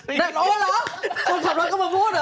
แบบโหลเหรอคนขับรถก็มาพูดเหรอ